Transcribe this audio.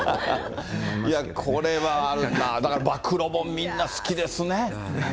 いや、これは、だから暴露本、みんな好きですね。